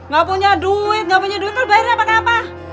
gak punya duit gak punya duit lu bayarnya pake apa